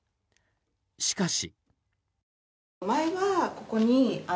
しかし。